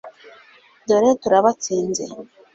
dore turabatsinze